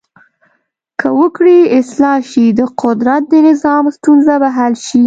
که وګړي اصلاح شي د قدرت د نظام ستونزه به حل شي.